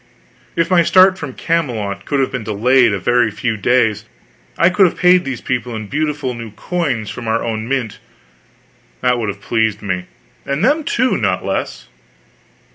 If my start from Camelot could have been delayed a very few days I could have paid these people in beautiful new coins from our own mint, and that would have pleased me; and them, too, not less.